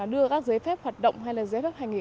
đưa các giấy phép hoạt động hay là giấy đất hành nghề